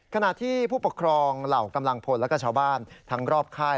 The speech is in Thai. ขณะที่ผู้ปกครองเหล่ากำลังพลแล้วก็ชาวบ้านทั้งรอบค่าย